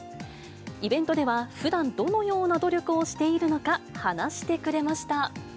イベントでは、ふだんどのような努力をしているのか、話してくれました。